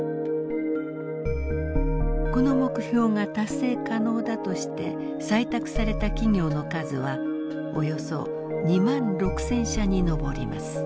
この目標が達成可能だとして採択された企業の数はおよそ２万６，０００社に上ります。